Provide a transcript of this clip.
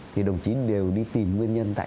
thì đồng chí đều đi tìm nguyên nhân tại